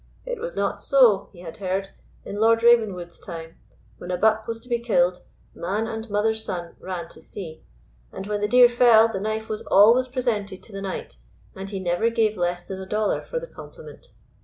It was not so, he had heard, in Lord Ravenswood's time: when a buck was to be killed, man and mother's son ran to see; and when the deer fell, the knife was always presented to the knight, and he never gave less than a dollar for the compliment.